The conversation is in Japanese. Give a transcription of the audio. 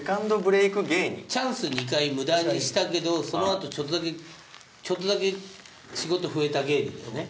チャンス２回ムダにしたけどそのあとちょっとだけちょっとだけ仕事増えた芸人だよね。